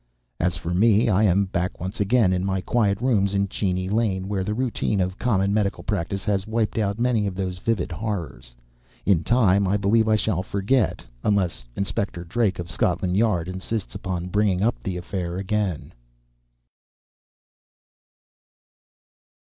As for me, I am back once again in my quiet rooms in Cheney Lane, where the routine of common medical practice has wiped out many of those vivid horrors. In time, I believe, I shall forget, unless Inspector Drake, of Scotland Yard, insists upon bringing the affair up again!